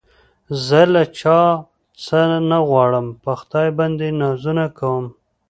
زه له چا څه نه غواړم په خدای باندې نازونه کوم